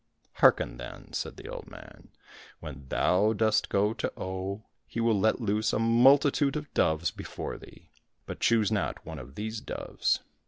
—'' Hearken, then !" said the old man ;'* when thou dost go to Oh, he will let loose a multitude of doves before thee, but choose not one of these doves.